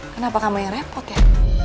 kenapa kamu yang repot ya